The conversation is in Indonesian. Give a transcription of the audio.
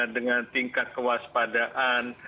dengan tingkat kewaspadaan